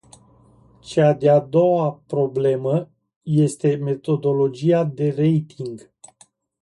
Cea de-a doua problemă este metodologia de rating.